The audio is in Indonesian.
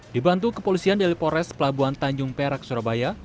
dibantu kepolisian dari polres pelabuhan tanjung perak surabaya